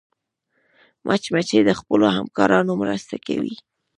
مچمچۍ د خپلو همکارانو مرسته کوي